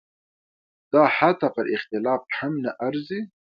دا حتی پر اختلاف هم نه ارزي.